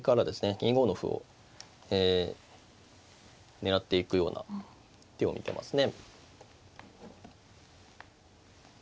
２五の歩を狙っていくような手を見てますね。